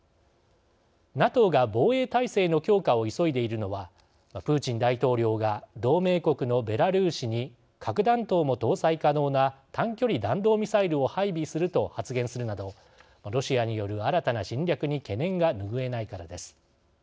ＮＡＴＯが防衛態勢の強化を急いでいるのはプーチン大統領が同盟国のベラルーシに核弾頭も搭載可能な短距離弾道ミサイルを配備すると発言するなどロシアによる新たな侵略に懸念が拭えないからです。